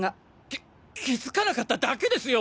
き気づかなかっただけですよ！